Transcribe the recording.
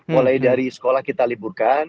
mulai dari sekolah kita liburkan